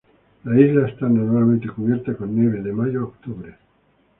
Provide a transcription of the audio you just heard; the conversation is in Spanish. La isla está normalmente cubierta con nieve de mayo a octubre.